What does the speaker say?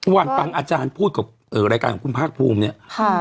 วันฟังอาจารย์พูดกับรายการของคุณภาคภูมิเนี่ย